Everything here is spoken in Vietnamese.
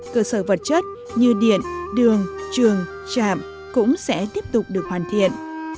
cơ sở vật chất như điện đường trường trạm cũng sẽ tiếp tục được hoàn thiện